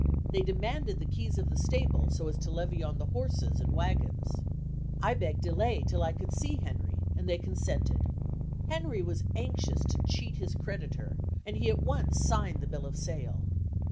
They demanded the keys of the stable so as to levy on the horses and wagons. I begged delay till I could see Henry, and they consented. Henry was anxious to cheat his creditor and he at once signed the bill of sale.